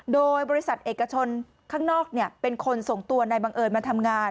โดยบริษัทเอกชนข้างนอกเป็นคนส่งตัวนายบังเอิญมาทำงาน